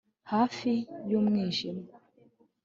hafi y'umwijima